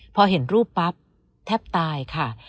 พอเห็นรูปปั๊บแทบตายค่ะ